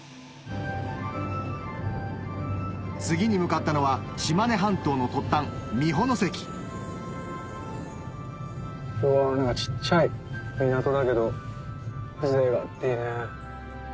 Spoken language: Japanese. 次に向かったのは島根半島の突端美保関小っちゃい港だけど風情があっていいね。